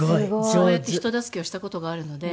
そうやって人助けをした事があるので。